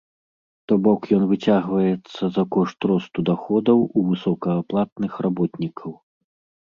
То бок ён выцягваецца за кошт росту даходаў у высокааплатных работнікаў.